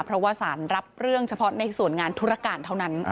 เพราะว่าสารรับเรื่องเฉพาะในส่วนงานธุรการเท่านั้น